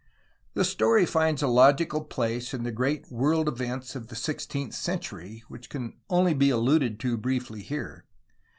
The story finds a logical place in the great world events of the sixteenth century which can only be alluded to briefly here.